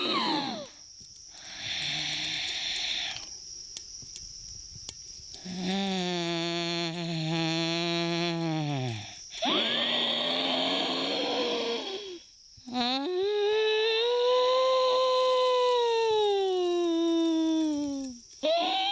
น้ำเก็ต